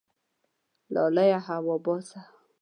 لالیه هوا بازه